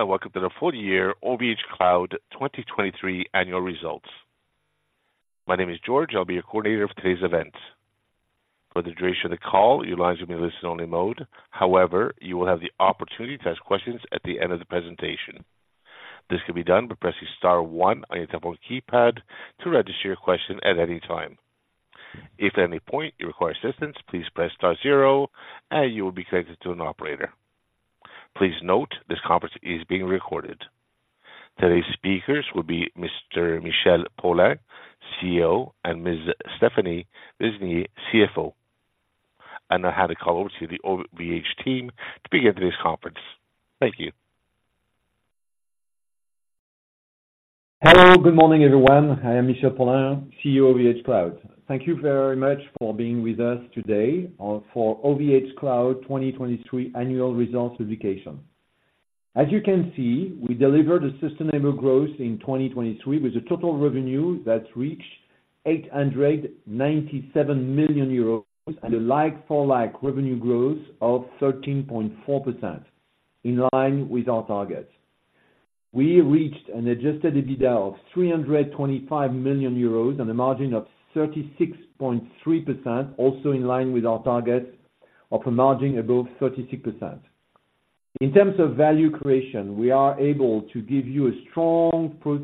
Hello, and welcome to the Full Year OVHcloud 2023 Annual Results. My name is George, I'll be your coordinator for today's event. For the duration of the call, your lines will be in listen-only mode. However, you will have the opportunity to ask questions at the end of the presentation. This can be done by pressing star one on your telephone keypad to register your question at any time. If at any point you require assistance, please press star zero, and you will be connected to an operator. Please note, this conference is being recorded. Today's speakers will be Mr. Michel Paulin, CEO, and Ms. Stéphanie Besnier, CFO. I'll now hand the call over to the OVHcloud team to begin today's conference. Thank you. Hello, good morning, everyone. I am Michel Paulin, CEO of OVHcloud. Thank you very much for being with us today on for OVHcloud 2023 annual results publication. As you can see, we delivered a sustainable growth in 2023, with a total revenue that reached 897 million euros and a like-for-like revenue growth of 13.4%, in line with our targets. We reached an adjusted EBITDA of 325 million euros on a margin of 36.3%, also in line with our targets of a margin above 36%. In terms of value creation, we are able to give you a strong proof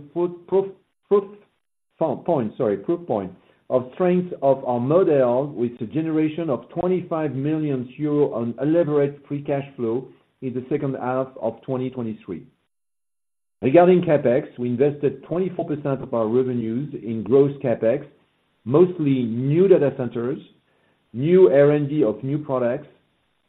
point, sorry, proof point of strength of our model, with a generation of 25 million euros of unlevered free cash flow in the second half of 2023. Regarding CapEx, we invested 24% of our revenues in gross CapEx, mostly new data centers, new R&D of new products,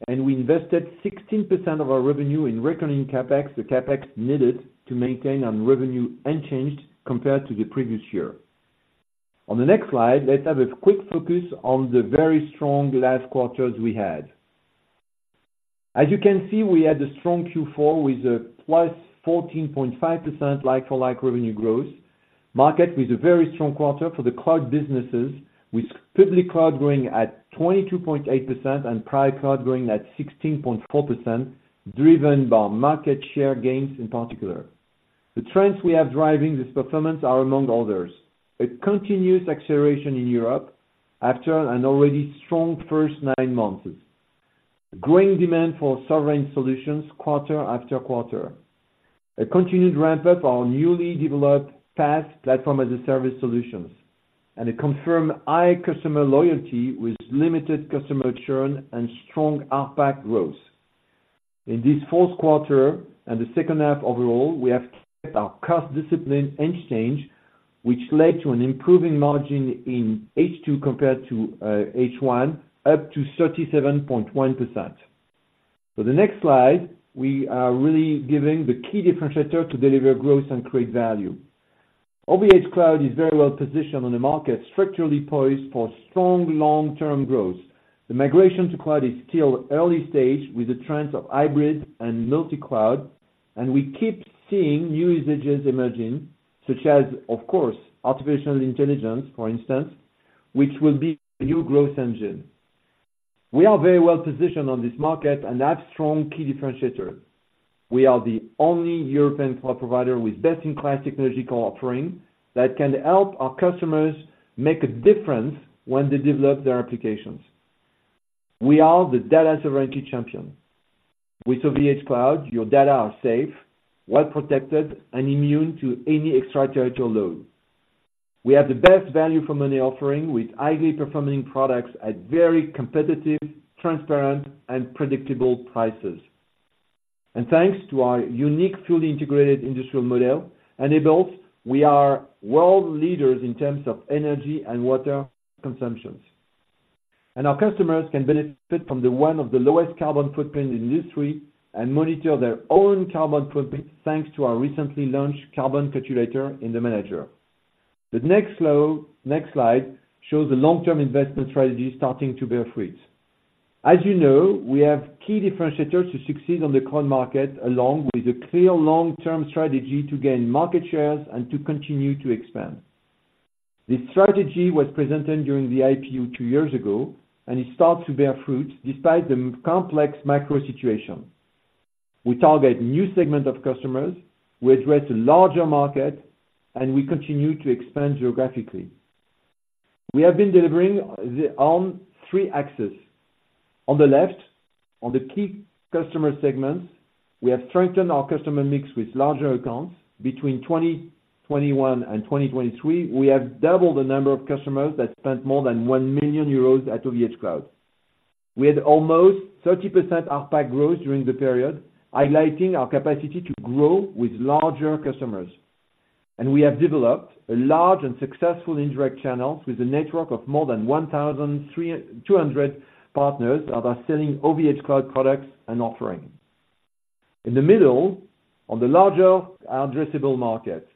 and we invested 16% of our revenue in recurring CapEx, the CapEx needed to maintain our revenue unchanged compared to the previous year. On the next slide, let's have a quick focus on the very strong last quarters we had. As you can see, we had a strong Q4 with a +14.5% like-for-like revenue growth. Market with a very strong quarter for the cloud businesses, with Public Cloud growing at 22.8% and Private Cloud growing at 16.4%, driven by market share gains in particular. The trends we have driving this performance are, among others: a continuous acceleration in Europe after an already strong first nine months, a growing demand for sovereign solutions quarter after quarter, a continued ramp-up our newly developed PaaS platform as a service solutions, and a confirmed high customer loyalty with limited customer churn and strong PaaS growth. In this fourth quarter and the second half overall, we have kept our cost discipline unchanged, which led to an improving margin in H2 compared to H1, up to 37.1%. For the next slide, we are really giving the key differentiator to deliver growth and create value. OVHcloud is very well positioned on the market, structurally poised for strong, long-term growth. The migration to cloud is still early stage with the trends of hybrid and multi-cloud, and we keep seeing new usages emerging, such as, of course, artificial intelligence, for instance, which will be a new growth engine. We are very well positioned on this market and have strong key differentiators. ,e are the only European cloud provider with best-in-class technological offering that can help our customers make a difference when they develop their applications. We are the data sovereignty champion. With OVHcloud, your data are safe, well protected, and immune to any extraterritorial law. We have the best value for money offering, with highly performing products at very competitive, transparent, and predictable prices. And thanks to our unique, fully integrated industrial model enabled, we are world leaders in terms of energy and water consumptions. Our customers can benefit from one of the lowest carbon footprint in the industry and monitor their own carbon footprint, thanks to our recently launched carbon calculator in the manager. The next slide shows the long-term investment strategy starting to bear fruit. As you know, we have key differentiators to succeed on the cloud market, along with a clear long-term strategy to gain market shares and to continue to expand. This strategy was presented during the IPO two years ago, and it starts to bear fruit despite the complex macro situation. We target new segment of customers, we address a larger market, and we continue to expand geographically. We have been delivering the three axes. On the left, on the key customer segments, we have strengthened our customer mix with larger accounts. Between 2021 and 2023, we have doubled the number of customers that spent more than 1 million euros at OVHcloud. We had almost 30% ARPAC growth during the period, highlighting our capacity to grow with larger customers, and we have developed a large and successful indirect channels with a network of more than 1,320 partners that are selling OVHcloud products and offerings. In the middle, on the larger addressable market,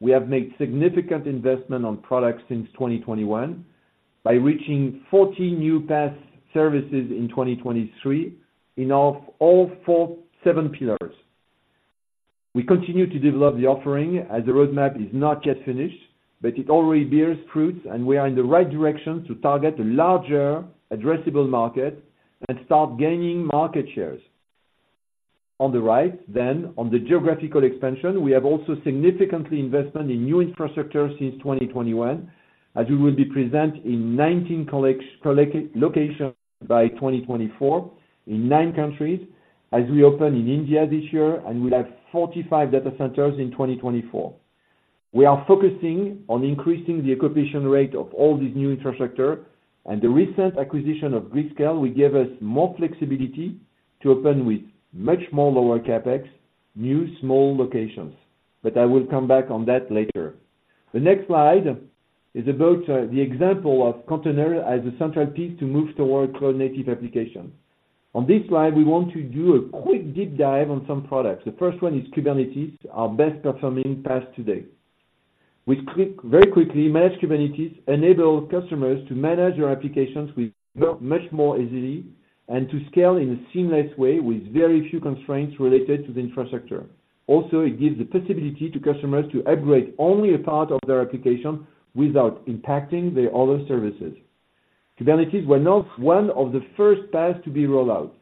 we have made significant investment on products since 2021 by reaching 40 new PaaS services in 2023 in all, all four, seven pillars. We continue to develop the offering as the roadmap is not yet finished, but it already bears fruits, and we are in the right direction to target a larger addressable market and start gaining market shares. On the right, then, on the geographical expansion, we have also significantly investment in new infrastructure since 2021, as we will be present in 19 locations by 2024 in 9 countries, as we open in India this year, and we'll have 45 data centers in 2024. We are focusing on increasing the occupation rate of all these new infrastructure, and the recent acquisition of gridscale will give us more flexibility to open with much more lower CapEx, new small locations, but I will come back on that later. The next slide is about the example of container as a central piece to move towards cloud-native application. On this slide, we want to do a quick deep dive on some products. The first one is Kubernetes, our best performing PaaS today. With very quickly, managed Kubernetes enable customers to manage their applications with much more easily and to scale in a seamless way with very few constraints related to the infrastructure. Also, it gives the possibility to customers to upgrade only a part of their application without impacting their other services. Kubernetes were now one of the first PaaS to be rolled out.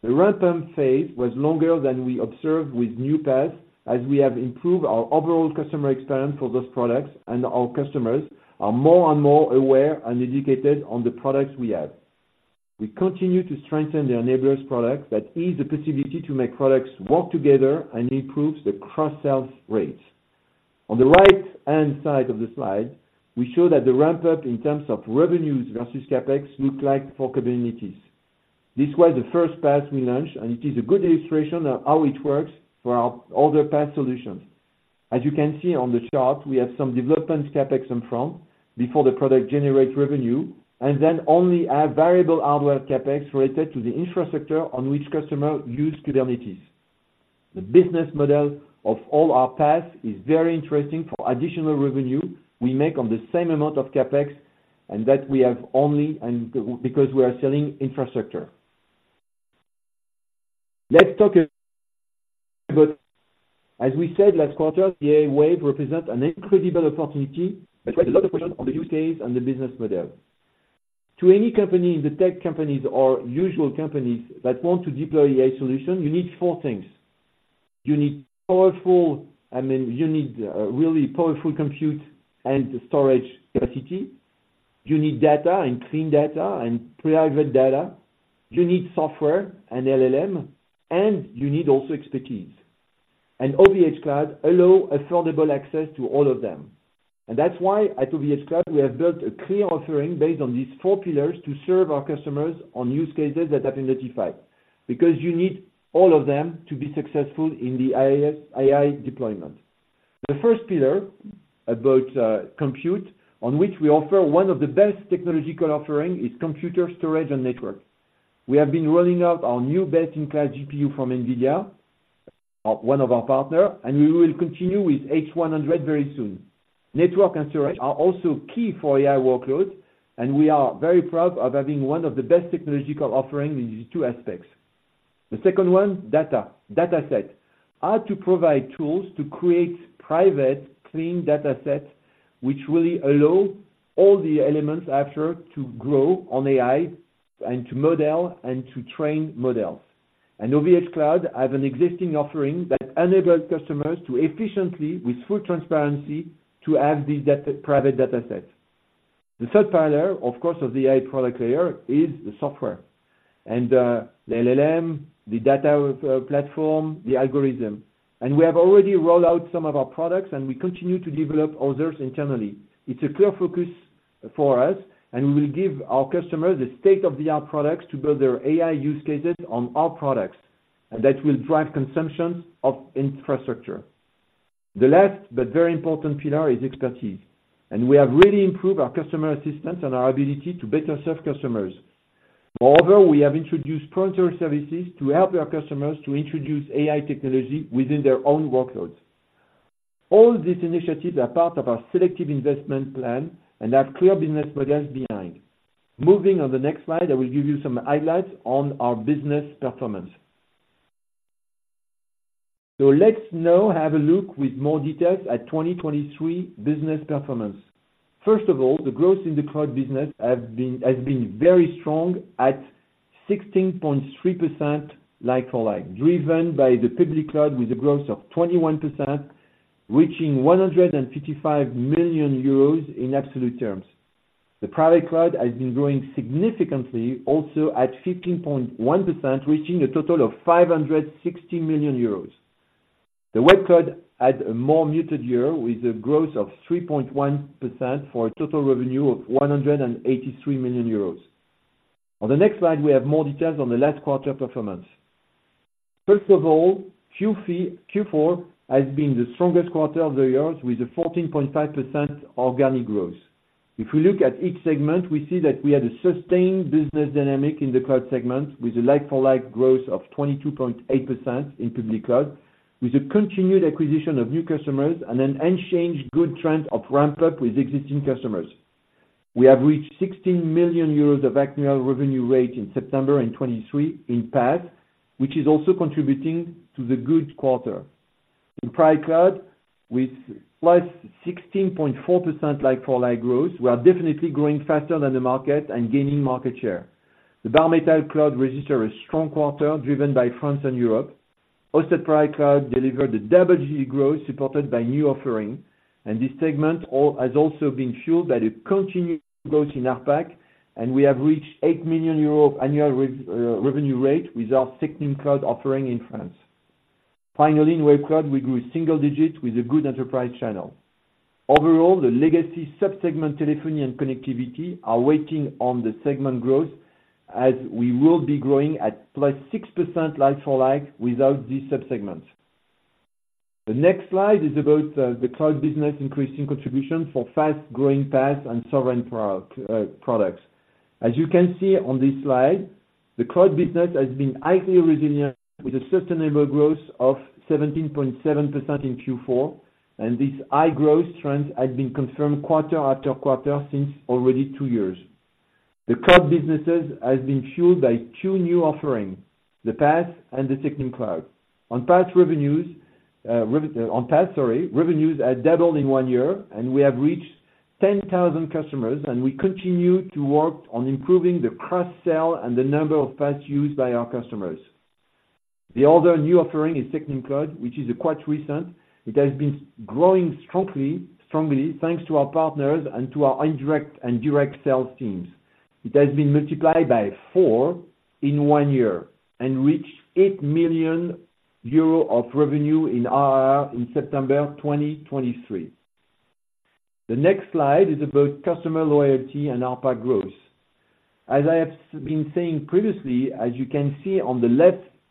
The ramp-up phase was longer than we observed with new PaaS, as we have improved our overall customer experience for those products, and our customers are more and more aware and educated on the products we have. We continue to strengthen the enablers products that ease the possibility to make products work together and improves the cross-sell rates. On the right-hand side of the slide, we show that the ramp-up in terms of revenues versus CapEx look like for Kubernetes. This was the first PaaS we launched, and it is a good illustration of how it works for our other PaaS solutions. As you can see on the chart, we have some development CapEx up front before the product generates revenue, and then only have variable hardware CapEx related to the infrastructure on which customers use Kubernetes. The business model of all our PaaS is very interesting for additional revenue we make on the same amount of CapEx, and that we have only, and because we are selling infrastructure. Let's talk about... As we said last quarter, the AI wave represents an incredible opportunity, but a lot of questions on the use case and the business model. To any company, the tech companies or usual companies that want to deploy AI solutions, you need four things: You need powerful, I mean, you need really powerful compute and storage capacity. You need data, and clean data, and private data. You need software and LLM, and you need also expertise. OVHcloud allow affordable access to all of them. That's why at OVHcloud, we have built a clear offering based on these four pillars to serve our customers on use cases that are identified, because you need all of them to be successful in the AIS- AI deployment. The first pillar about compute, on which we offer one of the best technological offering, is computer storage and network. We have been rolling out our new built-in cloud GPU from NVIDIA, one of our partner, and we will continue with H100 very soon. Network and storage are also key for AI workloads, and we are very proud of having one of the best technological offering in these two aspects. The second one, data. Data set. How to provide tools to create private, clean data sets, which will allow all the elements after to grow on AI and to model and to train models. OVHcloud have an existing offering that enables customers to efficiently, with full transparency, to have these private data sets. The third pillar, of course, of the AI product layer, is the software and the LLM, the data platform, the algorithm. We have already rolled out some of our products, and we continue to develop others internally. It's a clear focus for us, and we will give our customers the state-of-the-art products to build their AI use cases on our products, and that will drive consumption of infrastructure. The last, but very important pillar is expertise, and we have really improved our customer assistance and our ability to better serve customers. Moreover, we have introduced sponsor services to help our customers to introduce AI technology within their own workloads. All these initiatives are part of our selective investment plan and have clear business models behind. Moving on the next slide, I will give you some highlights on our business performance. So let's now have a look with more details at 2023 business performance. First of all, the growth in the cloud business has been very strong at 16.3%, like-for-like, driven by the Public Cloud with a growth of 21%, reaching 155 million euros in absolute terms. The Private Cloud has been growing significantly, also at 15.1%, reaching a total of 560 million euros. The Web Cloud had a more muted year, with a growth of 3.1% for a total revenue of 183 million euros. On the next slide, we have more details on the last quarter performance. First of all, Q4 has been the strongest quarter of the year, with a 14.5% organic growth. If we look at each segment, we see that we had a sustained business dynamic in the cloud segment, with a like-for-like growth of 22.8% in Public Cloud, with a continued acquisition of new customers and an unchanged good trend of ramp-up with existing customers.... We have reached 16 million euros of annual revenue rate in September and 23 million in PaaS, which is also contributing to the good quarter. In Private Cloud, with +16.4% like-for-like growth, we are definitely growing faster than the market and gaining market share. The Bare Metal Cloud registered a strong quarter, driven by France and Europe. Hosted Private Cloud delivered a double-digit growth, supported by new offering, and this segment has also been fueled by the continued growth in APAC, and we have reached 8 million euro annual revenue rate with our SecNumCloud offering in France. Finally, in Web Cloud, we grew single-digit with a good enterprise channel. Overall, the legacy sub-segment telephony and connectivity are weighing on the segment growth, as we will be growing at +6% like-for-like without these sub-segments. The next slide is about the cloud business increasing contribution for fast-growing PaaS and sovereign products. As you can see on this slide, the cloud business has been highly resilient, with a sustainable growth of 17.7% in Q4, and this high growth trend has been confirmed quarter after quarter since already 2 years. The cloud businesses has been fueled by 2 new offerings, the PaaS and the SecNumCloud. On PaaS revenues, on PaaS, sorry, revenues have doubled in 1 year, and we have reached 10,000 customers, and we continue to work on improving the cross-sell and the number of PaaS used by our customers. The other new offering is SecNumCloud, which is quite recent. It has been growing strongly, strongly, thanks to our partners and to our indirect and direct sales teams. It has been multiplied by 4 in 1 year and reached 8 million euro of revenue in ARR in September 2023. The next slide is about customer loyalty and ARPA growth. As I have been saying previously, as you can see on the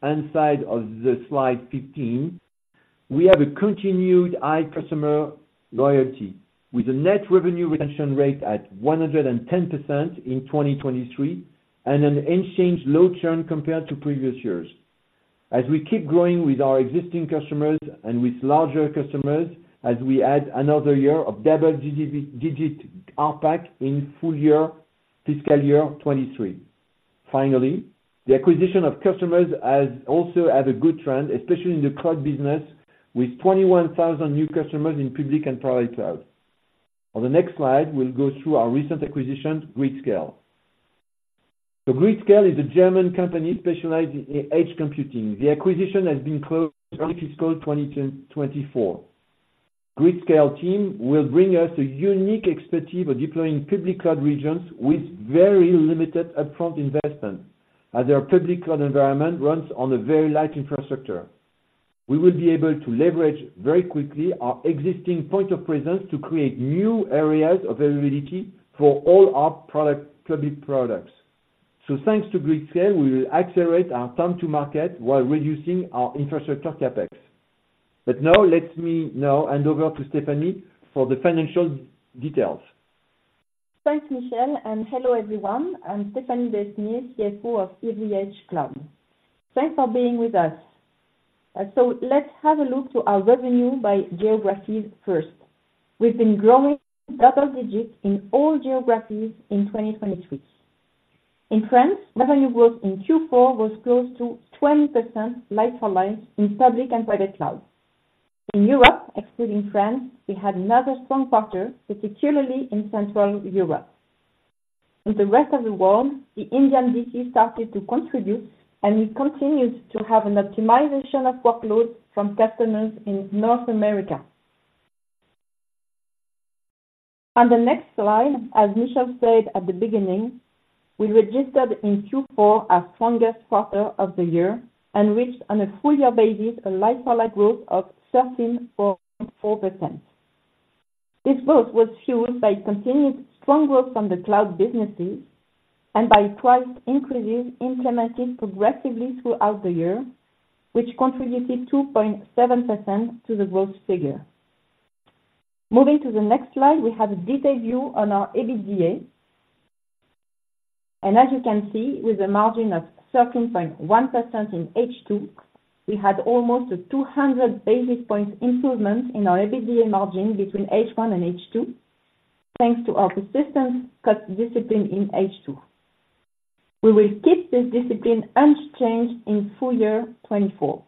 left-hand side of the Slide 15, we have a continued high customer loyalty, with a net revenue retention rate at 110% in 2023, and an unchanged low churn compared to previous years. As we keep growing with our existing customers and with larger customers, as we add another year of double-digit ARPAC in full year, fiscal year 2023. Finally, the acquisition of customers has also had a good trend, especially in the cloud business, with 21,000 new customers in public and Private Cloud. On the next slide, we'll go through our recent acquisition, gridscale. So gridscale is a German company specialized in edge computing. The acquisition has been closed early fiscal 2024. gridscale team will bring us a unique expertise for deploying Public Cloud regions with very limited upfront investment, as their Public Cloud environment runs on a very light infrastructure. We will be able to leverage very quickly our existing point of presence to create new areas of availability for all our product, public products. So thanks to gridscale, we will accelerate our time to market while reducing our infrastructure CapEx. But now let me now hand over to Stéphanie for the financial details. Thanks, Michel, and hello, everyone. I'm Stéphanie Besnier, CFO of OVHcloud. Thanks for being with us. So let's have a look to our revenue by geographies first. We've been growing double digits in all geographies in 2023. In France, revenue growth in Q4 was close to 20% like-for-like in public and Private Cloud. In Europe, excluding France, we had another strong quarter, particularly in Central Europe. In the rest of the world, the Indian DC started to contribute, and we continued to have an optimization of workloads from customers in North America. On the next slide, as Michel said at the beginning, we registered in Q4 our strongest quarter of the year and reached on a full year basis, a like-for-like growth of 13.4%. This growth was fueled by continued strong growth from the cloud businesses and by price increases implemented progressively throughout the year, which contributed 2.7% to the growth figure. Moving to the next slide, we have a detailed view on our EBITDA. As you can see, with a margin of 13.1% in H2, we had almost a 200 basis points improvement in our EBITDA margin between H1 and H2, thanks to our persistent cost discipline in H2. We will keep this discipline unchanged in full year 2024.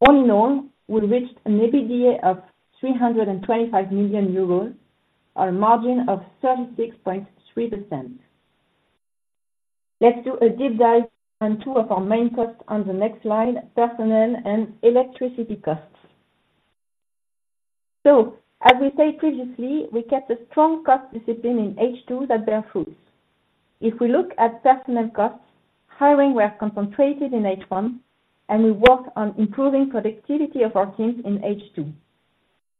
All in all, we reached an EBITDA of 325 million euros, a margin of 36.3%. Let's do a deep dive on two of our main costs on the next slide, personnel and electricity costs. As we said previously, we kept a strong cost discipline in H2 that bear fruits. If we look at personnel costs, hiring were concentrated in H1, and we worked on improving productivity of our teams in H2.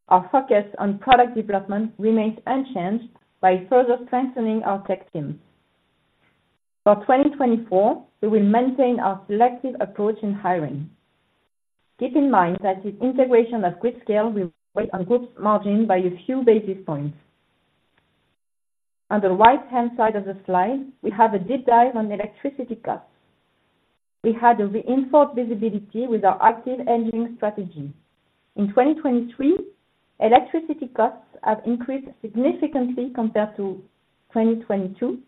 Our focus on product development remains unchanged by further strengthening our tech team. For 2024, we will maintain our selective approach in hiring. Keep in mind that the integration of gridscale will weigh on group's margin by a few basis points. On the right-hand side of the slide, we have a deep dive on electricity costs. We had a reinforced visibility with our active hedging strategy. In 2023, electricity costs have increased significantly compared to 2022,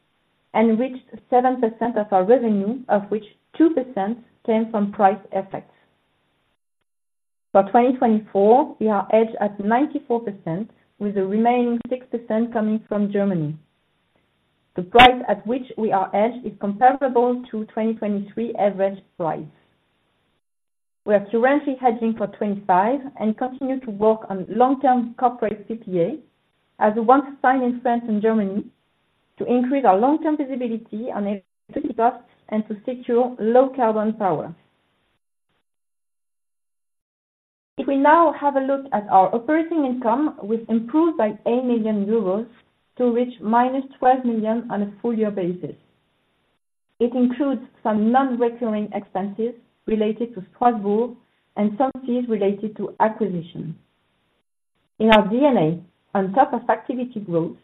and reached 7% of our revenue, of which 2% came from price effects. For 2024, we are hedged at 94%, with the remaining 6% coming from Germany. The price at which we are hedged is comparable to 2023 average price. We are currently hedging for 2025 and continue to work on long-term corporate PPA, as the one signed in France and Germany, to increase our long-term visibility on electricity costs and to secure low carbon power. If we now have a look at our operating income, which improved by 8 million euros to reach -12 million on a full-year basis. It includes some non-recurring expenses related to Strasbourg and some fees related to acquisition. In our DNA, on top of activity growth,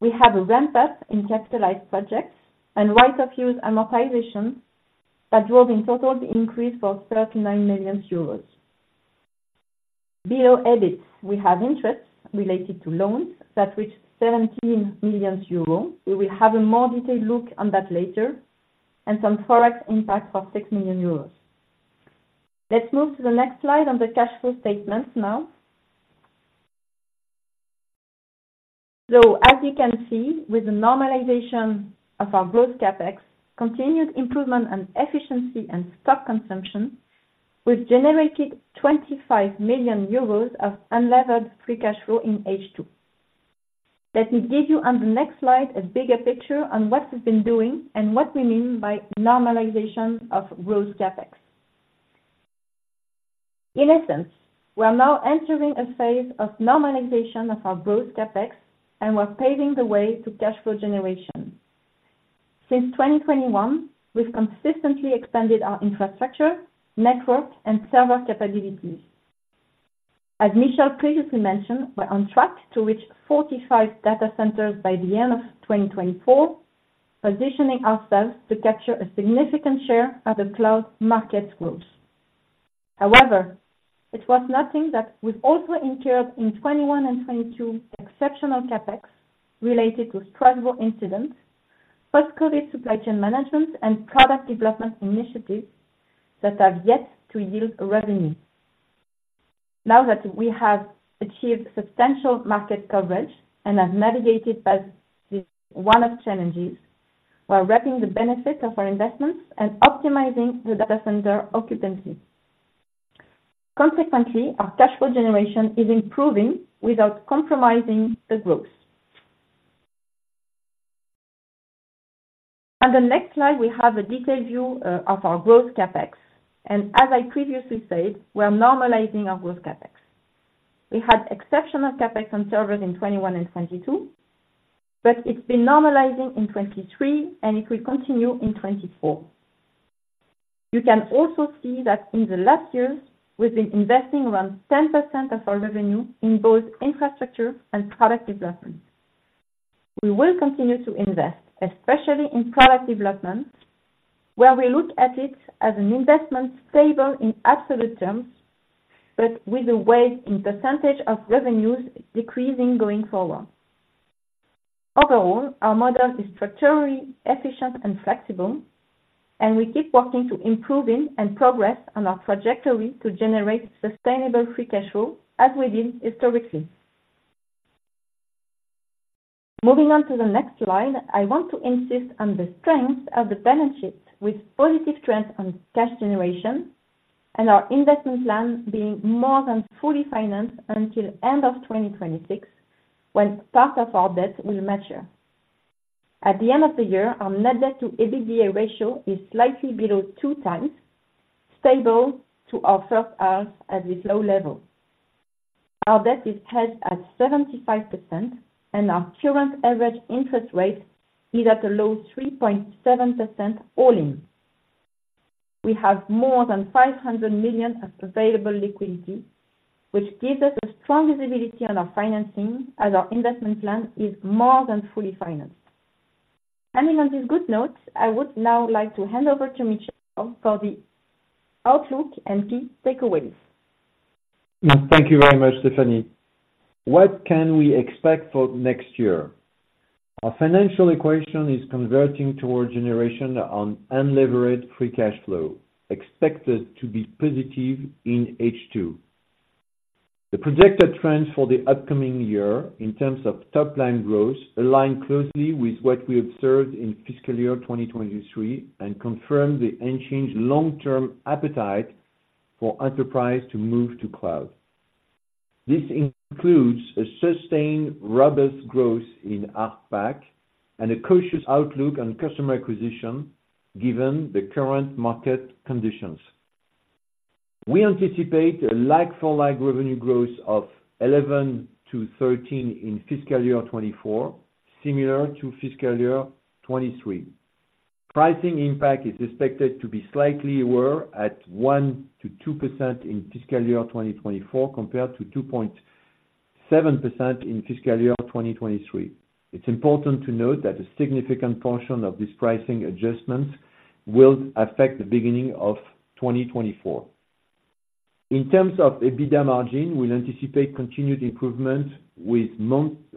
we have a ramp up in capitalized projects and right of use amortization that drove in total the increase for 39 million euros. Below EBITDA, we have interests related to loans that reached 17 million euros. We will have a more detailed look on that later, and some Forex impact of 6 million euros. Let's move to the next slide on the cash flow statement now. So as you can see, with the normalization of our growth CapEx, continued improvement and efficiency and stock consumption, we've generated 25 million euros of unlevered free cash flow in H2. Let me give you on the next slide, a bigger picture on what we've been doing and what we mean by normalization of growth CapEx. In essence, we are now entering a phase of normalization of our growth CapEx, and we're paving the way to cash flow generation. Since 2021, we've consistently expanded our infrastructure, network, and server capabilities. As Michel previously mentioned, we're on track to reach 45 data centers by the end of 2024, positioning ourselves to capture a significant share of the cloud market growth. However, it was nothing that we've also incurred in 2021 and 2022 exceptional CapEx related to Strasbourg incident, post-COVID supply chain management, and product development initiatives that have yet to yield revenue. Now that we have achieved substantial market coverage and have navigated past these one-off challenges, we're reaping the benefits of our investments and optimizing the data center occupancy. Consequently, our cash flow generation is improving without compromising the growth. On the next slide, we have a detailed view of our growth CapEx, and as I previously said, we're normalizing our growth CapEx. We had exceptional CapEx on servers in 2021 and 2022, but it's been normalizing in 2023, and it will continue in 2024. You can also see that in the last year, we've been investing around 10% of our revenue in both infrastructure and product development. We will continue to invest, especially in product development, where we look at it as an investment stable in absolute terms, but with a weight in percentage of revenues decreasing going forward. Overall, our model is structurally efficient and flexible, and we keep working to improving and progress on our trajectory to generate sustainable free cash flow, as we did historically. Moving on to the next slide, I want to insist on the strength of the balance sheet with positive trend on cash generation and our investment plan being more than fully financed until end of 2026, when part of our debt will mature. At the end of the year, our net debt to EBITDA ratio is slightly below 2x, stable to our first half at this low level. Our debt is hedged at 75%, and our current average interest rate is at a low 3.7% all-in. We have more than 500 million of available liquidity, which gives us a strong visibility on our financing as our investment plan is more than fully financed. Ending on this good note, I would now like to hand over to Michel for the outlook and key takeaways. Thank you very much, Stéphanie. What can we expect for next year? Our financial equation is converting toward generation on unlevered free cash flow, expected to be positive in H2. The projected trends for the upcoming year in terms of top-line growth, align closely with what we observed in fiscal year 2023 and confirm the unchanged long-term appetite for enterprise to move to cloud. This includes a sustained robust growth in ARPAC and a cautious outlook on customer acquisition, given the current market conditions. We anticipate a like-for-like revenue growth of 11-13 in fiscal year 2024, similar to fiscal year 2023. Pricing impact is expected to be slightly lower at 1%-2% in fiscal year 2024, compared to 2.5%-7% in fiscal year 2023. It's important to note that a significant portion of this pricing adjustments will affect the beginning of 2024. In terms of EBITDA margin, we'll anticipate continued improvement,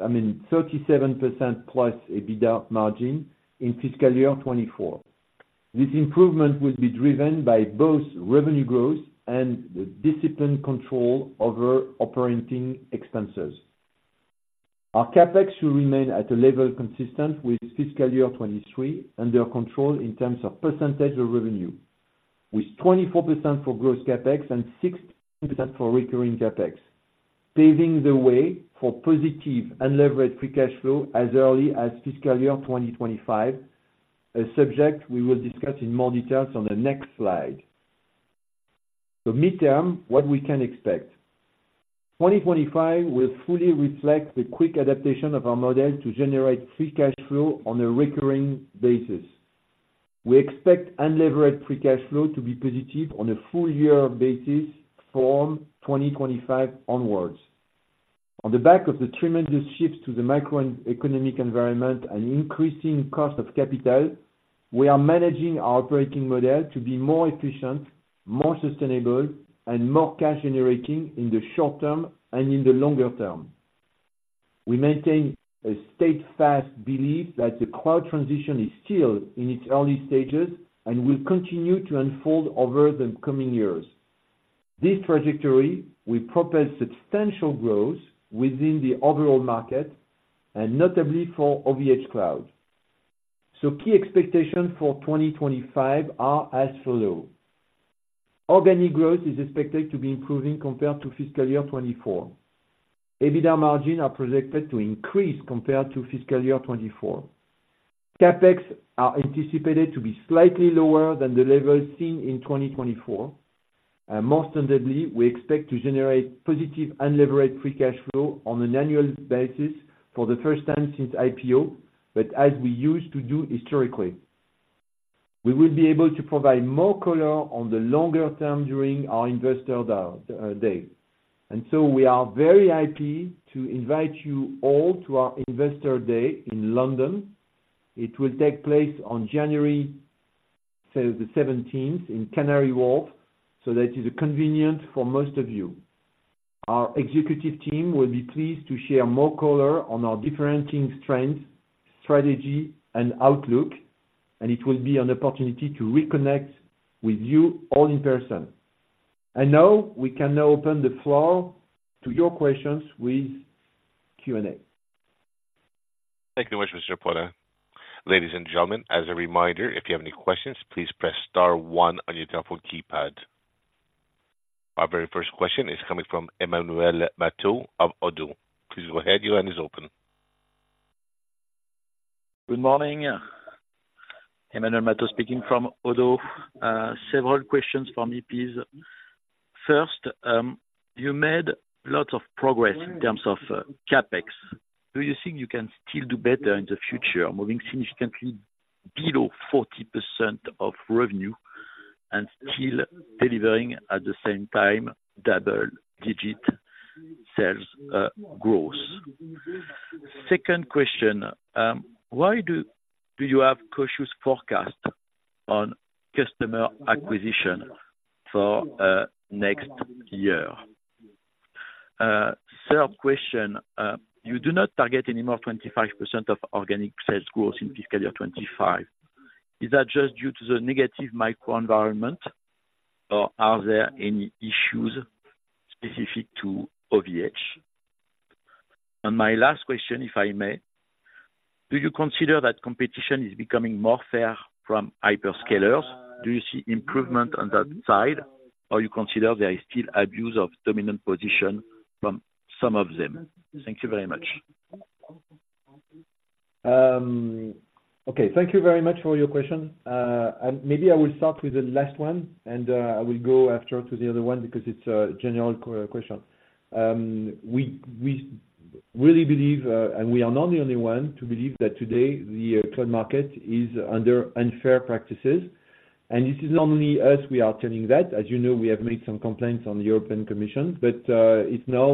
I mean, 37%+ EBITDA margin in fiscal year 2024. This improvement will be driven by both revenue growth and the disciplined control over operating expenses. Our CapEx should remain at a level consistent with fiscal year 2023, under control in terms of percentage of revenue, with 24% for gross CapEx and 6% for recurring CapEx, paving the way for positive unlevered free cash flow as early as fiscal year 2025, a subject we will discuss in more details on the next slide. So midterm, what we can expect. 2025 will fully reflect the quick adaptation of our model to generate free cash flow on a recurring basis. We expect unlevered free cash flow to be positive on a full year basis from 2025 onwards. On the back of the tremendous shifts to the macroeconomic environment and increasing cost of capital, we are managing our operating model to be more efficient, more sustainable, and more cash-generating in the short term and in the longer term. We maintain a steadfast belief that the cloud transition is still in its early stages and will continue to unfold over the coming years. This trajectory will propel substantial growth within the overall market, and notably for OVHcloud. So key expectations for 2025 are as follow: Organic growth is expected to be improving compared to fiscal year 2024. EBITDA margin are projected to increase compared to fiscal year 2024. CapEx are anticipated to be slightly lower than the level seen in 2024, and most undoubtedly, we expect to generate positive unlevered free cash flow on an annual basis for the first time since IPO, but as we used to do historically. We will be able to provide more color on the longer term during our Investor Day. So we are very happy to invite you all to our Investor Day in London. It will take place on January 17 in Canary Wharf, so that is convenient for most of you. Our executive team will be pleased to share more color on our differentiating strengths, strategy, and outlook, and it will be an opportunity to reconnect with you all in person. Now, we can now open the floor to your questions with Q&A. Thank you very much, Mr. Paulin. Ladies and gentlemen, as a reminder, if you have any questions, please press star one on your telephone keypad. Our very first question is coming from Emmanuel Matot of Oddo. Please go ahead. Your line is open. Good morning. Emmanuel Matot speaking from Oddo. Several questions from me, please. First, you made lots of progress in terms of CapEx. Do you think you can still do better in the future, moving significantly below 40% of revenue and still delivering, at the same time, double-digit sales growth? Second question, why do you have cautious forecast on customer acquisition for next year? Third question, you do not target any more 25% of organic sales growth in fiscal year 2025. Is that just due to the negative microenvironment, or are there any issues specific to OVH? And my last question, if I may: Do you consider that competition is becoming more fair from hyperscalers? Do you see improvement on that side, or you consider there is still abuse of dominant position from some of them? Thank you very much. Okay. Thank you very much for your question. And maybe I will start with the last one, and I will go after to the other one because it's a general question. We really believe, and we are not the only one to believe, that today, the cloud market is under unfair practices. And this is not only us, we are telling that. As you know, we have made some complaints on the European Commission, but it's now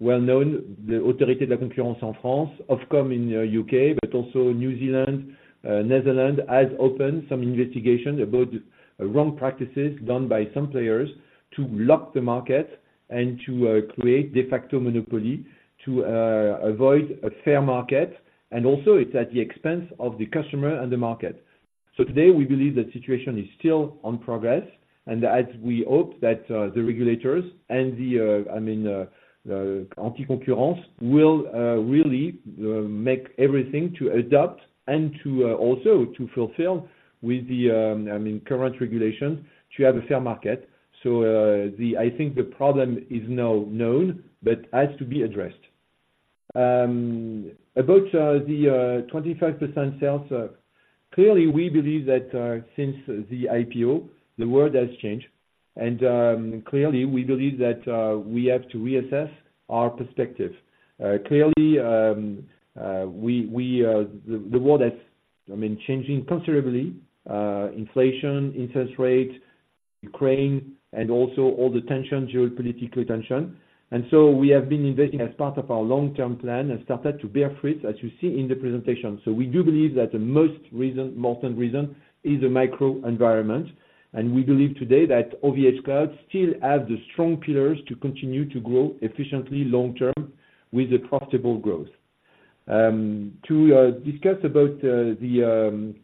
well known, the Autorité de la Concurrence en France, Ofcom in U.K., but also New Zealand, Netherlands, has opened some investigations about wrong practices done by some players to lock the market and to create de facto monopoly to avoid a fair market. And also, it's at the expense of the customer and the market. So today, we believe the situation is still in progress, and as we hope that, the regulators and the, I mean, the Autorité de la Concurrence will, really, make everything to adapt and to, also to fulfill with the, I mean, current regulations to have a fair market. So, I think the problem is now known but has to be addressed. About the 25% sales, clearly, we believe that, since the IPO, the world has changed, and, clearly, we believe that, we have to reassess our perspective. Clearly, the world has, I mean, changing considerably, inflation, interest rates, Ukraine, and also all the tension, geopolitical tension. So we have been investing as part of our long-term plan and started to bear fruit, as you see in the presentation. We do believe that the most reason is a microenvironment, and we believe today that OVHcloud still has the strong pillars to continue to grow efficiently long-term with the profitable growth. To discuss the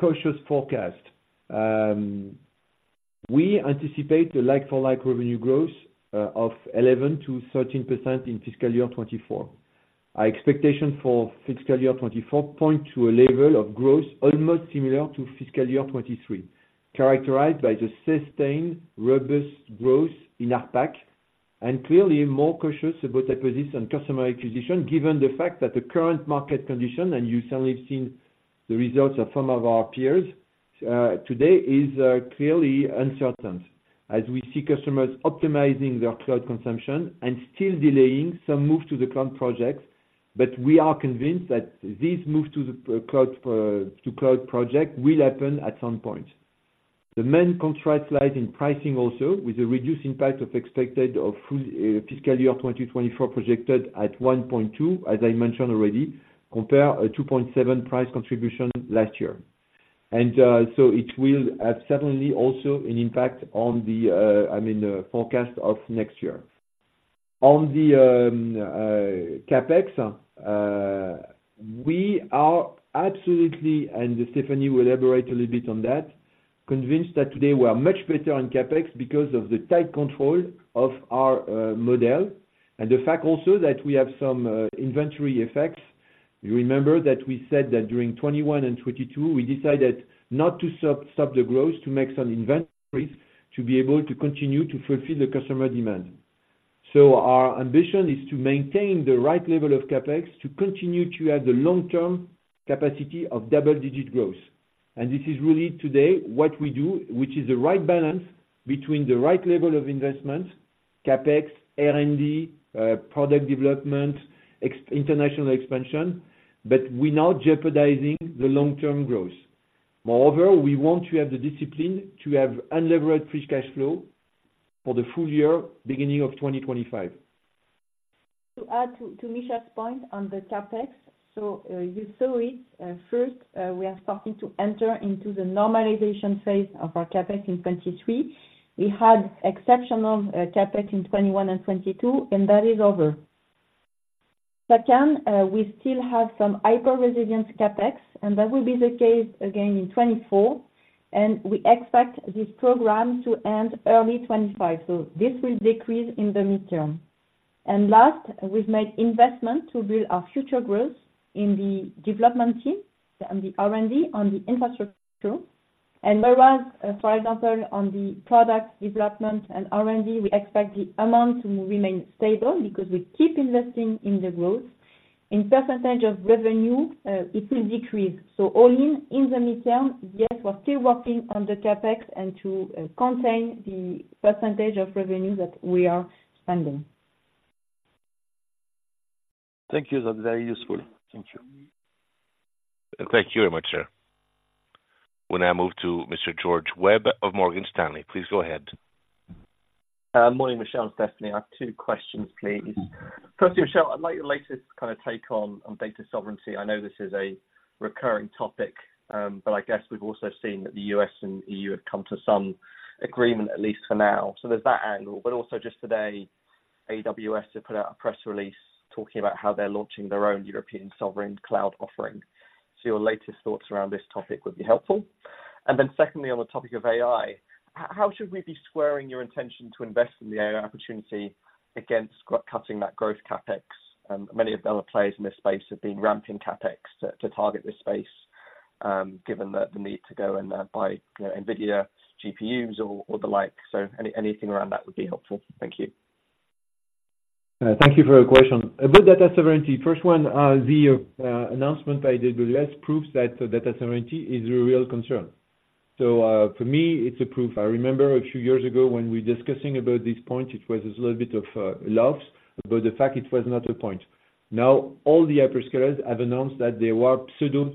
cautious forecast, we anticipate the like-for-like revenue growth of 11%-13% in fiscal year 2024. Our expectation for fiscal year 2024 points to a level of growth almost similar to fiscal year 2023, characterized by the sustained robust growth in APAC, and clearly more cautious about acquisition and customer acquisition, given the fact that the current market condition, and you certainly have seen the results of some of our peers, today, is clearly uncertain, as we see customers optimizing their cloud consumption and still delaying some move to the cloud projects. But we are convinced that this move to the cloud, to cloud project will happen at some point. The main contract slide in pricing also with a reduced impact of expected of full fiscal year 2024, projected at 1.2%, as I mentioned already, compared to a 2.7% price contribution last year. So it will have certainly also an impact on the, I mean, the forecast of next year. On the CapEx, we are absolutely, and Stéphanie will elaborate a little bit on that, convinced that today we are much better on CapEx because of the tight control of our model, and the fact also that we have some inventory effects. You remember that we said that during 2021 and 2022, we decided not to stop the growth, to make some inventories, to be able to continue to fulfill the customer demand. So our ambition is to maintain the right level of CapEx, to continue to have the long-term capacity of double-digit growth. This is really today what we do, which is the right balance between the right level of investment, CapEx, R&D, product development, ex- international expansion, but we're now jeopardizing the long-term growth. Moreover, we want to have the discipline to have unlevered free cash flow for the full year, beginning of 2025. To add to Michel's point on the CapEx, so you saw it first, we are starting to enter into the normalization phase of our CapEx in 2023. We had exceptional CapEx in 2021 and 2022, and that is over. Second, we still have some hyper-resilient CapEx, and that will be the case again in 2024, and we expect this program to end early 2025. So this will decrease in the midterm. And last, we've made investment to build our future growth in the development team and the R&D on the infrastructure. And whereas, for example, on the product development and R&D, we expect the amount to remain stable because we keep investing in the growth. In percentage of revenue, it will decrease. So all in, in the midterm, yes, we're still working on the CapEx and to contain the percentage of revenue that we are spending. Thank you. That's very useful. Thank you. Thank you very much, sir. We'll now move to Mr. George Webb of Morgan Stanley. Please go ahead. Morning, Michel and Stephanie. I have two questions, please. First, Michel, I'd like your latest kind of take on data sovereignty. I know this is a recurring topic, but I guess we've also seen that the U.S. and E.U. have come to some agreement, at least for now. So there's that angle, but also just today, AWS have put out a press release talking about how they're launching their own European Sovereign Cloud offering. So your latest thoughts around this topic would be helpful. And then secondly, on the topic of AI, how should we be squaring your intention to invest in the AI opportunity against cutting that growth CapEx? Many of the other players in this space have been ramping CapEx to target this space, given that the need to go and buy, you know, NVIDIA GPUs or the like. So anything around that would be helpful. Thank you. Thank you for your question. About data sovereignty, first one, the announcement I did with less proofs that data sovereignty is a real concern. So, for me, it's a proof. I remember a few years ago when we discussing about this point, it was a little bit of laughs, but the fact it was not a point. Now, all the hyperscalers have announced that they were pseudo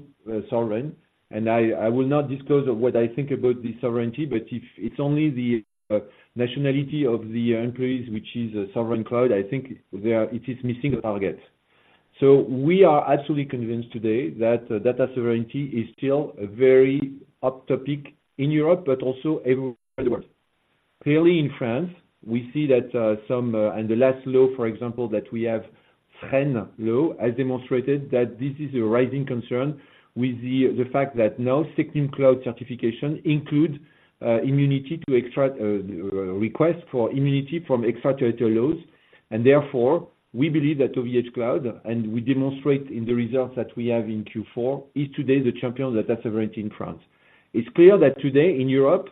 sovereign, and I, I will not disclose what I think about the sovereignty, but if it's only the nationality of the employees, which is a sovereign cloud, I think they're missing the target. So we are absolutely convinced today that data sovereignty is still a very hot topic in Europe, but also everywhere in the world. Clearly, in France, we see that some and the last law, for example, that we have trend law, has demonstrated that this is a rising concern with the fact that now seeking cloud certification include immunity to extract request for immunity from extraterritorial laws. Therefore, we believe that OVHcloud, and we demonstrate in the results that we have in Q4, is today the champion of data sovereignty in France. It's clear that today in Europe,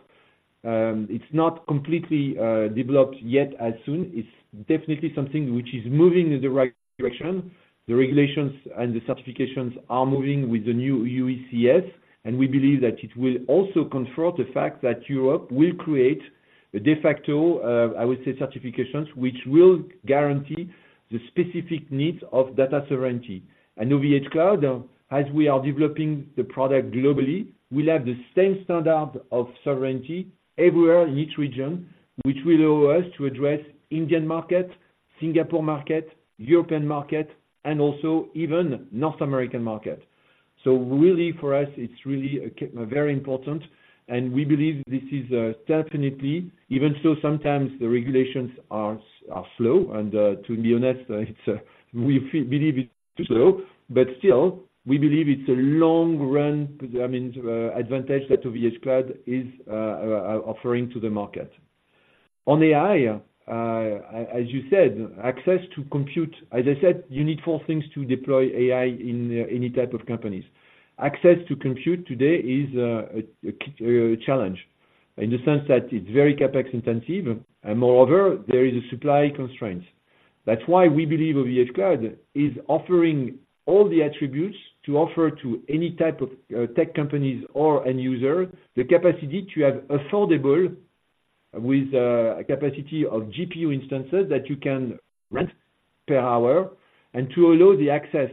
it's not completely developed yet as soon. It's definitely something which is moving in the right direction. The regulations and the certifications are moving with the new EUCS, and we believe that it will also confirm the fact that Europe will create the de facto, I would say certifications, which will guarantee the specific needs of data sovereignty. And OVHcloud, as we are developing the product globally, will have the same standard of sovereignty everywhere in each region, which will allow us to address Indian market, Singapore market, European market, and also even North American market. So really, for us, it's really a very important, and we believe this is definitely, even so sometimes the regulations are slow. And to be honest, it's we believe it's too slow, but still, we believe it's a long run, I mean, advantage that OVHcloud is offering to the market. On AI, as you said, access to compute. As I said, you need four things to deploy AI in any type of companies. Access to compute today is a challenge, in the sense that it's very CapEx intensive, and moreover, there is a supply constraint. That's why we believe OVHcloud is offering all the attributes to offer to any type of tech companies or end user, the capacity to have affordable with a capacity of GPU instances that you can rent per hour and to allow the access.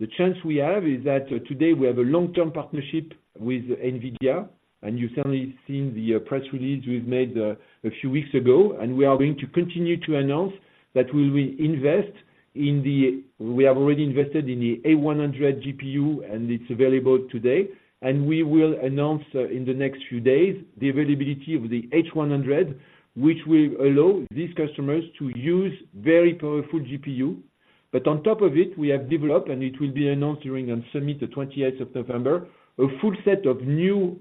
The chance we have is that today we have a long-term partnership with NVIDIA, and you've certainly seen the press release we've made a few weeks ago. And we are going to continue to announce that we have already invested in the A100 GPU, and it's available today. And we will announce in the next few days, the availability of the H100, which will allow these customers to use very powerful GPU. But on top of it, we have developed, and it will be announced during on summit, the 28th of November, a full set of new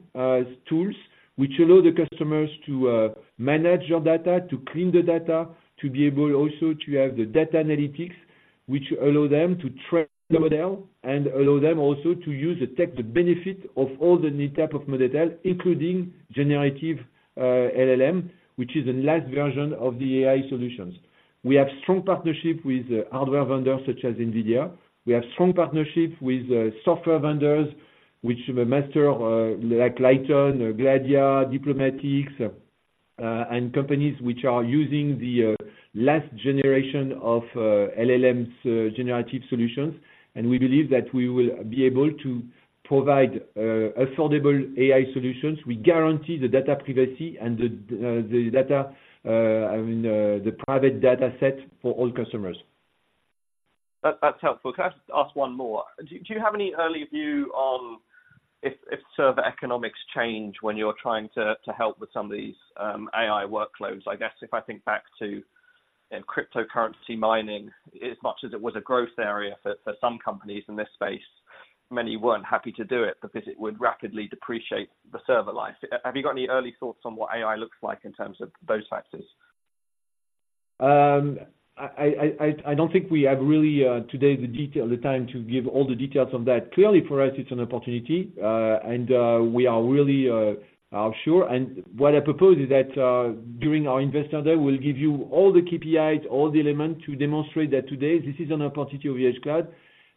tools, which allow the customers to manage their data, to clean the data, to be able also to have the data analytics, which allow them to train the model and allow them also to use the tech, the benefit of all the new type of model, including generative LLM, which is the last version of the AI solutions. We have strong partnership with hardware vendors such as NVIDIA. We have strong partnership with software vendors, which are a master like LightOn, Gladia, Diplomatic, and companies which are using the last generation of LLMs, generative solutions. And we believe that we will be able to provide affordable AI solutions. We guarantee the data privacy and the data, I mean, the private data set for all customers. That's helpful. Can I just ask one more? Do you have any early view on if server economics change when you're trying to help with some of these AI workloads? I guess if I think back to cryptocurrency mining, as much as it was a growth area for some companies in this space, many weren't happy to do it because it would rapidly depreciate the server life. Have you got any early thoughts on what AI looks like in terms of those factors? I don't think we have really today the details, the time to give all the details on that. Clearly, for us, it's an opportunity, and we are really sure. What I propose is that during our Investor Day, we'll give you all the KPIs, all the elements to demonstrate that today this is an opportunity of OVHcloud,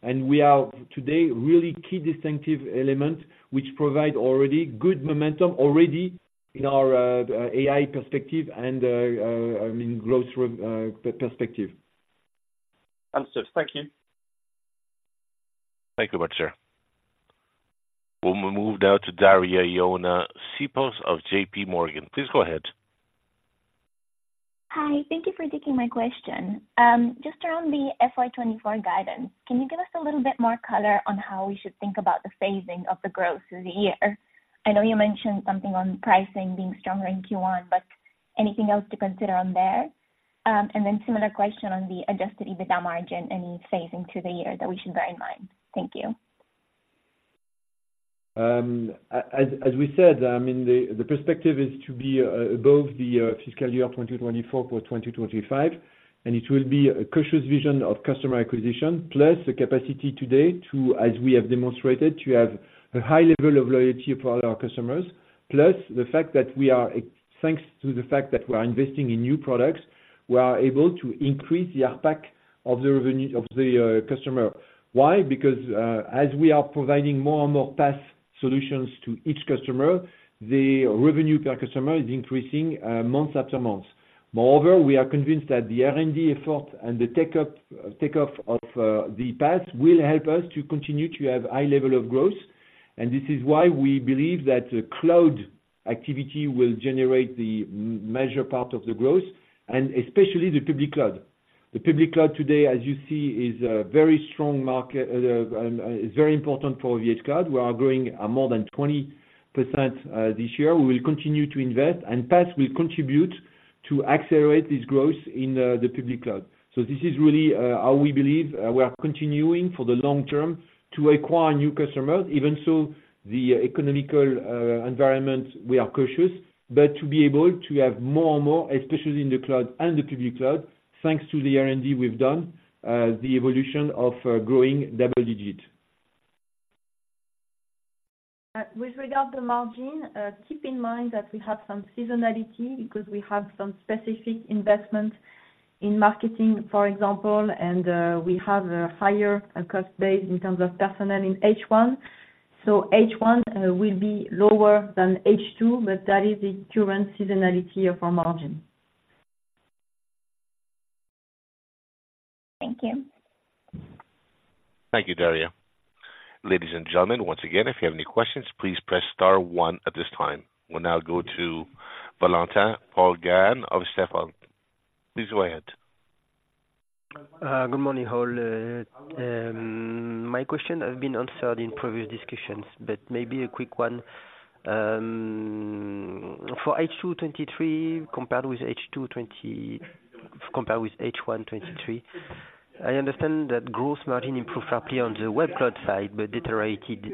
and we are today really key distinctive element, which provide already good momentum already in our AI perspective and, I mean, growth perspective. Answered. Thank you. Thank you much, sir. We'll move now to Daria Ioana Sipos of JPMorgan. Please go ahead. Hi, thank you for taking my question. Just around the FY 2024 guidance, can you give us a little bit more color on how we should think about the phasing of the growth through the year? I know you mentioned something on pricing being stronger in Q1, but anything else to consider on there? And then similar question on the adjusted EBITDA margin and phasing to the year that we should bear in mind. Thank you. As we said, I mean, the perspective is to be above the fiscal year 2024 for 2025, and it will be a cautious vision of customer acquisition, plus the capacity today to, as we have demonstrated, to have a high level of loyalty for our customers. Plus, the fact that we are, thanks to the fact that we are investing in new products, we are able to increase the ARPAC of the revenue of the customer. Why? Because as we are providing more and more PaaS solutions to each customer, the revenue per customer is increasing month after month. Moreover, we are convinced that the R&D effort and the takeup, take-off of the PaaS will help us to continue to have high level of growth. This is why we believe that the cloud activity will generate the major part of the growth, and especially the Public Cloud. The Public Cloud today, as you see, is a very strong market, is very important for OVHcloud. We are growing at more than 20%, this year. We will continue to invest, and PaaS will contribute to accelerate this growth in, the Public Cloud. So this is really, how we believe, we are continuing for the long term to acquire new customers, even so, the economic environment, we are cautious. But to be able to have more and more, especially in the cloud and the Public Cloud, thanks to the R&D we've done, the evolution of, growing double digits. With regard to margin, keep in mind that we have some seasonality because we have some specific investments in marketing, for example, and we have a higher cost base in terms of personnel in H1. So H1 will be lower than H2, but that is the current seasonality of our margin. Thank you. Thank you, Daria. Ladies and gentlemen, once again, if you have any questions, please press star one at this time. We'll now go to Valentin Poulgain of Stifel. Please go ahead. Good morning, all. My question has been answered in previous discussions, but maybe a quick one. For H2 2023, compared with H1 2023, I understand that gross margin improved rapidly on the web cloud side, but deteriorated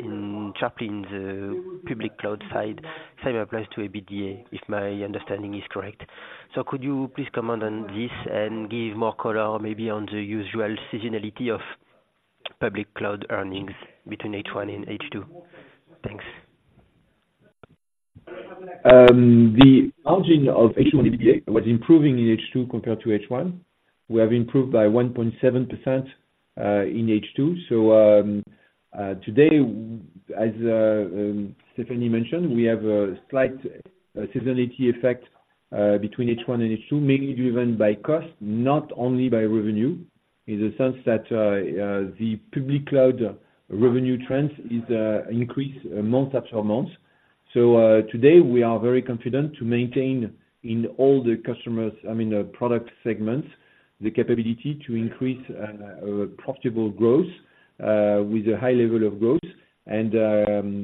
sharply in the Public Cloud side. Same applies to EBITDA, if my understanding is correct. So could you please comment on this and give more color maybe on the usual seasonality of Public Cloud earnings between H1 and H2? Thanks. The margin of H1 EBITDA was improving in H2 compared to H1. We have improved by 1.7% in H2. So, today, as Stéphanie mentioned, we have a slight seasonality effect between H1 and H2, mainly driven by cost, not only by revenue, in the sense that the Public Cloud revenue trends is increased month after month. So, today we are very confident to maintain in all the customers, I mean, the product segments, the capability to increase profitable growth with a high level of growth. And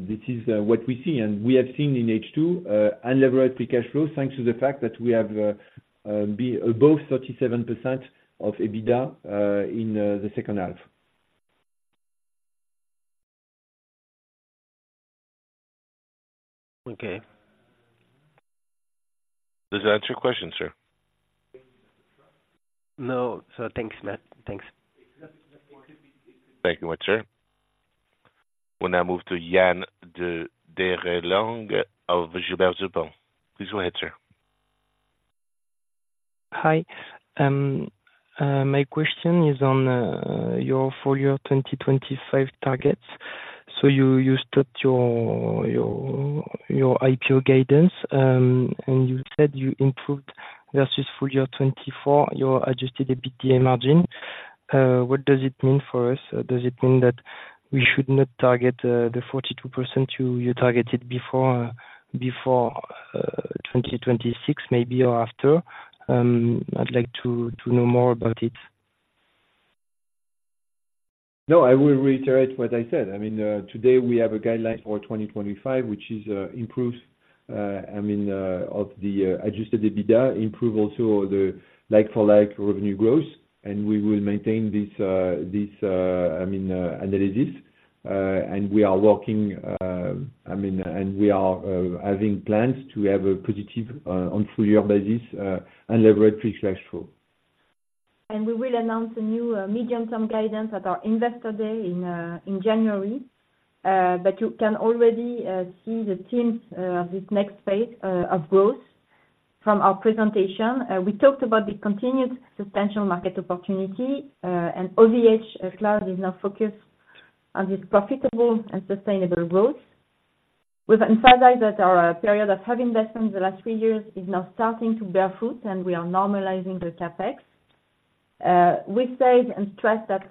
this is what we see, and we have seen in H2 unlevered free cash flow, thanks to the fact that we have be above 37% of EBITDA in the second half. Okay. Does that answer your question, sir? No, sir. Thanks, Mat. Thanks. Thank you much, sir. We'll now move to Yann de Derlong of Gilbert Dupont. Please go ahead, sir. Hi. My question is on your full year 2025 targets. So you stopped your IPO guidance, and you said you improved versus full year 2024, your adjusted EBITDA margin. What does it mean for us? Does it mean that we should not target the 42% you targeted before 2026, maybe or after? I'd like to know more about it. No, I will reiterate what I said. I mean, today we have a guideline for 2025, which is, improved, I mean, of the, adjusted EBITDA, improve also the like for like revenue growth, and we will maintain this, this, I mean, analysis. And we are working, I mean, and we are, having plans to have a positive, on full year basis, unlevered free cash flow. And we will announce a new medium-term guidance at our investor day in January. But you can already see the teams this next phase of growth from our presentation. We talked about the continued substantial market opportunity, and OVHcloud is now focused on this profitable and sustainable growth. We've emphasized that our period of heavy investment in the last three years is now starting to bear fruit, and we are normalizing the CapEx. We said and stressed that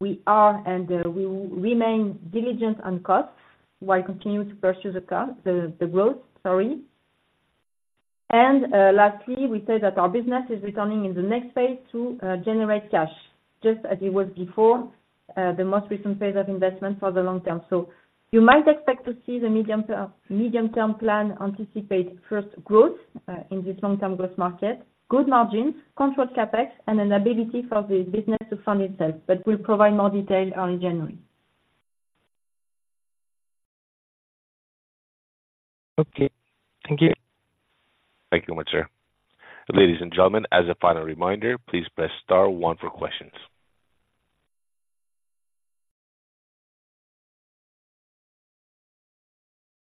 we are and we will remain diligent on costs while continuing to pursue the cost, the, the growth, sorry. And lastly, we said that our business is returning in the next phase to generate cash, just as it was before the most recent phase of investment for the long term. So you might expect to see the medium-term plan anticipate first growth in this long-term growth market, good margin, controlled CapEx, and an ability for the business to fund itself, but we'll provide more detail on January. Okay. Thank you. Thank you much, sir. Ladies and gentlemen, as a final reminder, please press star one for questions.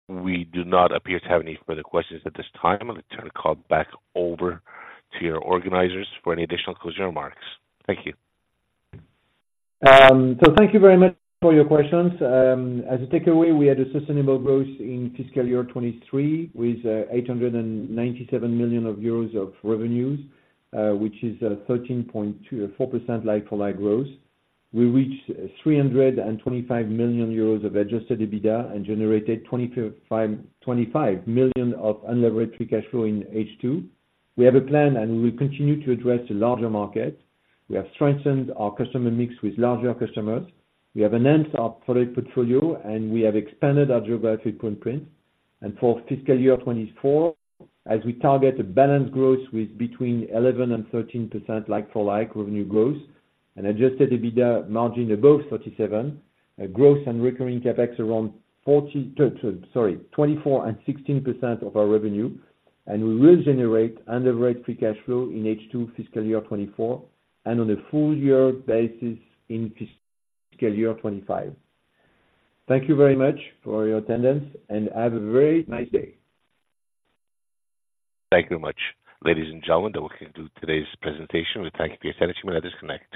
We do not appear to have any further questions at this time. I'm going to turn the call back over to your organizers for any additional closing remarks. Thank you. So thank you very much for your questions. As a takeaway, we had a sustainable growth in fiscal year 2023, with 897 million euros of revenues, which is 13.2 or 4% like for like growth. We reached 325 million euros of adjusted EBITDA and generated 25 million of unlevered free cash flow in H2. We have a plan, and we will continue to address the larger market. We have strengthened our customer mix with larger customers. We have enhanced our product portfolio, and we have expanded our geographic footprint. And for fiscal year 2024, as we target a balanced growth with between 11% and 13% like for like revenue growth and adjusted EBITDA margin above 37, a growth and recurring CapEx around 40... Sorry, 24 and 16% of our revenue, and we will generate Unlevered Free Cash Flow in H2 fiscal year 2024, and on a full year basis in fiscal year 2025. Thank you very much for your attendance, and have a very nice day. Thank you very much. Ladies and gentlemen, that will conclude today's presentation. We thank you for your attention. You may disconnect.